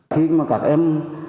khi mà các em